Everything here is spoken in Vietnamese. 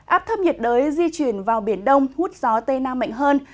áp thấp nhiệt đới di chuyển vào biển đông hút gió tây nam mạnh hơn